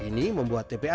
ini membuatnya lebih banyak